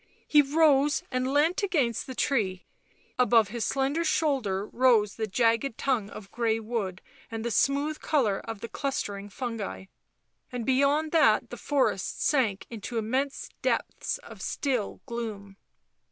He rose and leant against the tree; above his slender shoulder rose the jagged tongue of grey wood and the smooth colour of the clustering fungi, and beyond that the forest sank into immense depths of still gloom.